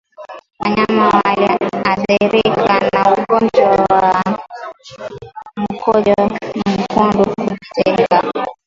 Wanyama walioathirika na ugonjwa wa mkojo mwekundu hujitenga